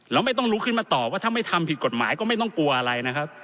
แล้วไม่ต้องลุกขึ้นมาตอบว่าถ้าไม่ทำผิดกฎหมายก็ไม่ต้องกลัวอะไรนะครับ